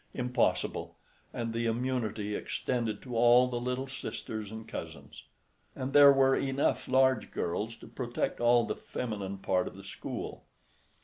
Impossible—and the immunity extended to all the little sisters and cousins; and there were enough large girls to protect all the feminine part of the school.